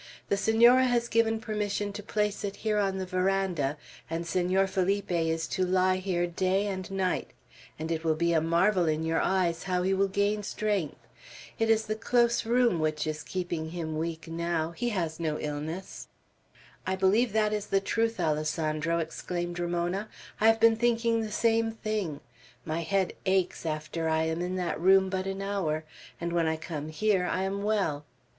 "The Senora has given permission to place it here on the veranda, and Senor Felipe is to lie here day and night; and it will be a marvel in your eyes how he will gain strength. It is the close room which is keeping him weak now; he has no illness." "I believe that is the truth, Alessandro," exclaimed Ramona; "I have been thinking the same thing. My head aches after I am in that room but an hour, and when I come here I am well.